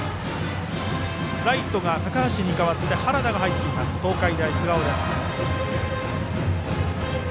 ライト、高橋に代わって原田が入っている東海大菅生です。